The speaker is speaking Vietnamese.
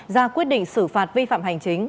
ra quyết định xử phạt vi phạm hành chính